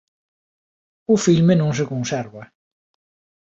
O filme non se conserva.